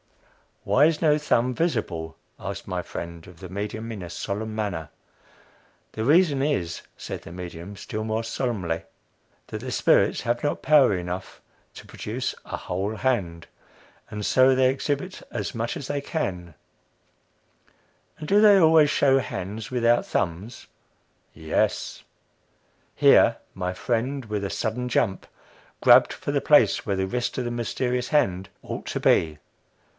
"Why is no thumb visible?" asked my friend of the medium in a solemn manner. "The reason is," said the medium, still more solemnly, "that the spirits have not power enough to produce a whole hand and so they exhibit as much as they can." "And do they always show hands without thumbs?" "Yes." Here my friend, with a sudden jump, grabbed for the place where the wrist of the mysterious hand ought to be.